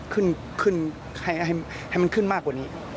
ขึ้นให้มันขึ้นมากกว่านี้